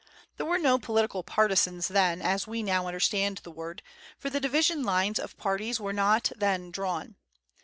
There were no political partisans then, as we now understand the word, for the division lines of parties were not then drawn.